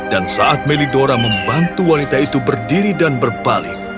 dan saat melidora membantu wanita itu berdiri dan berbalik